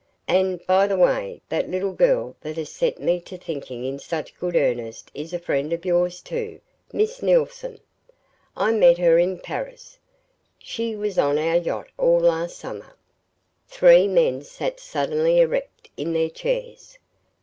"And, by the way, the little girl that has set me to thinking in such good earnest is a friend of yours, too, Miss Neilson. I met her in Paris. She was on our yacht all last summer." Three men sat suddenly erect in their chairs.